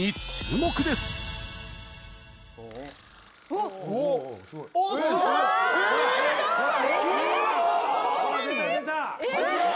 すごい！え！